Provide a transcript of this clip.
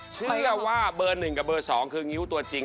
เชื่อว่าเบอร์๑กับเบอร์๒คืองิ้วตัวจริง